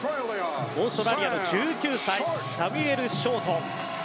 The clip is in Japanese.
オーストラリアの１９歳サミュエル・ショート。